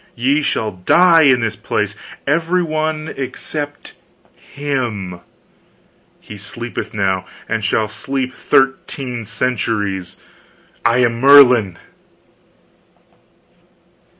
Ye shall all die in this place every one except him. He sleepeth now and shall sleep thirteen centuries. I am Merlin!"